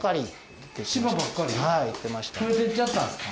増えて行っちゃったんですか？